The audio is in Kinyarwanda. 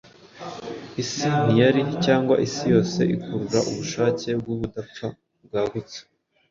Isi ntiyari: cyangwa isi yose ikurura Ubushake bwUbudapfa bwagutse